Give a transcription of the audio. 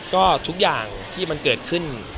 ก็ทุกอย่างที่มันเกิดขึ้น